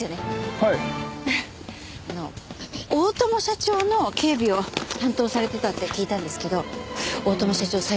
あの大友社長の警備を担当されてたって聞いたんですけど大友社長